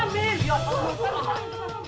kalian silakan rubuk jangan gampang